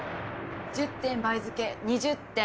１０点倍付け２０点。